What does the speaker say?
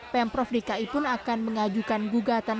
pemprov dki pun akan mengajukan gugatan